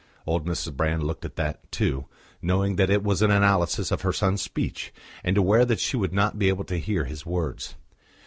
Old Mrs. Brand looked at that, too, knowing that it was an analysis of her son's speech, and aware that she would not be able to hear his words.